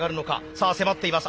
さあ迫っています。